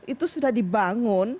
itu sudah dibangun